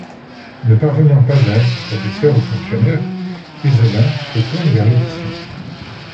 Ne parvenant pas à être professeur ou fonctionnaire, Iselin se tourne vers l'édition.